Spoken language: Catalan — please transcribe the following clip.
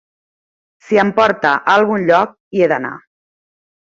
Si em porta a algun lloc, hi he d'anar.